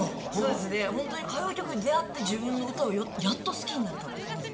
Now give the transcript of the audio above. ホントに歌謡曲に出会って自分の歌をやっと好きになれたって感じで。